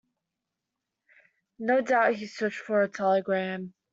No doubt he searched for a telegram.